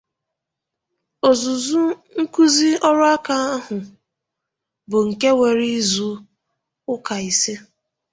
Ọzụzụ nkụzi ọrụaka ahụ bụ nke were izuụka ise